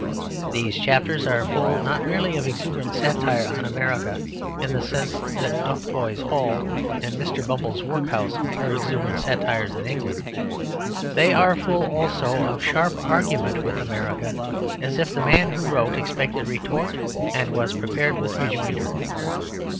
These chapters are full not merely of exuberant satire on America in the sense that Dotheboys Hall or Mr. Bumble's Workhouse are exuberant satires on England. They are full also of sharp argument with America as if the man who wrote expected retort and was prepared with rejoinder.